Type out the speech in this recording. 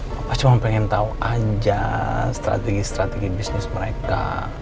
papa cuma pengen tau aja strategi strategi bisnis mereka